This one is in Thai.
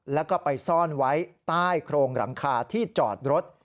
แล้วก็ไปซ่อนไว้ใต้โครงหลังคาที่จอดรถ